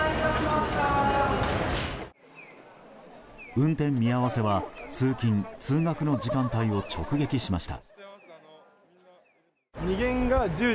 運転見合わせは通勤・通学の時間帯を直撃しました。